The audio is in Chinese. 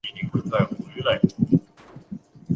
潮汐加速是行星与其卫星之间潮汐力的效应。